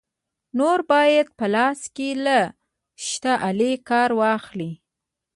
نور باید په لاس کې له شته آلې کار واخلې.